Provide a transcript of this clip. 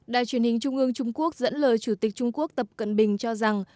đài truyền hình trung ương trung quốc dẫn lời chủ tịch trung quốc tập cận bình cho rằng